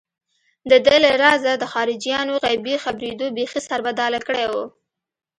دده له رازه د خارجيانو غيبي خبرېدو بېخي سربداله کړی و.